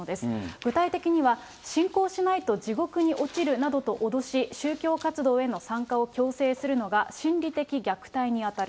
具体的には信仰しないと地獄に落ちるなどと脅し、宗教活動への参加を強制するのが心理的虐待に当たる。